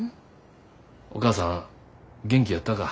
お義母さん元気やったか？